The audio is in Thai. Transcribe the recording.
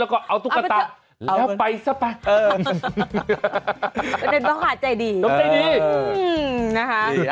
แล้วก็เอาตุ๊กตาเอาไปซะไปเออใจดีเออใจดีอืมนะครับดีนะ